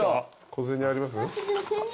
小銭あります？